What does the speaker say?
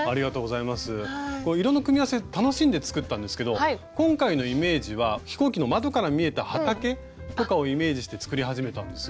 楽しんで作ったんですけど今回のイメージは飛行機の窓から見えた畑とかをイメージして作り始めたんですよ。